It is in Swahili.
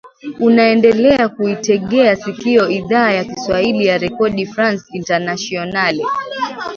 unaendelea kuitegea sikio idhaa ya kiswahili ya redio france internationale